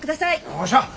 よっしゃ！